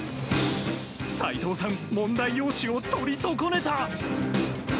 齋藤さん、問題用紙を取り損ねた。